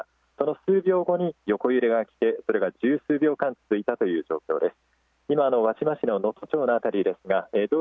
その数秒後に横揺れがあってそれが１０数秒間、続いたという状況です。